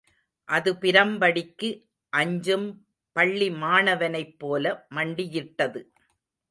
அது பிரம்படிக்கு அஞ்சும் பள்ளி மாணவனைப் போல மண்டியிட்டது.